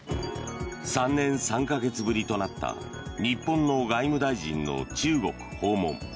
３年３か月ぶりとなった日本の外務大臣の中国訪問。